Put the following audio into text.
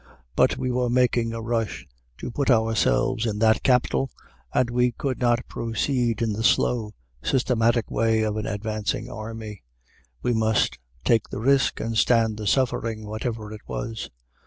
But we were making a rush to put ourselves in that capital, and we could not proceed in the slow, systematic way of an advancing army. We must take the risk and stand the suffering, whatever it was.